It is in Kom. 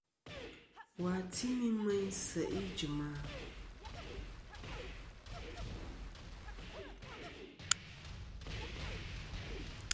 Wà timi meyn sèʼ ijìm a?